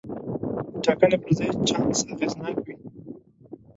د ټاکنې پر ځای چانس اغېزناک وي.